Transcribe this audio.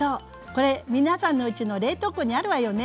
これ皆さんのうちの冷凍庫にあるわよね？